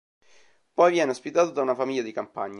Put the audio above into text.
Poi viene ospitato da una famiglia di campagna.